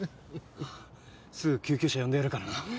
すぐ救急車呼んでやるからな。